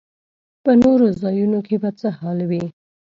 په نورو ځایونو کې به څه حال وي.